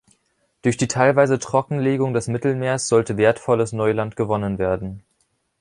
Durch die teilweise Trockenlegung des Mittelmeers sollte wertvolles Neuland gewonnen werden.